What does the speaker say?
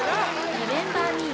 「リメンバー・ミー」